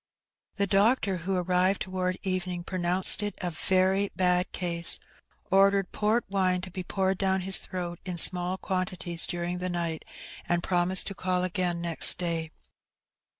The doctor, who arrived toward evening, pronounced it a very bad case, ordered port wine to be poured down his throat in small quantities during the night, and promised to call again next day.